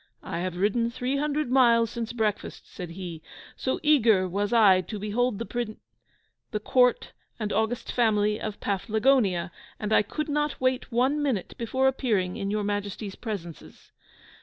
"I have ridden three hundred miles since breakfast," said he, "so eager was I to behold the Prin the Court and august family of Paflagonia, and I could not wait one minute before appearing in your Majesties' presences."